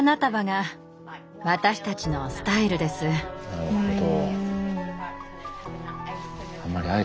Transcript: なるほど。